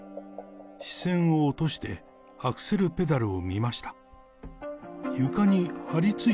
視線を落としてアクセルペダルを見ました。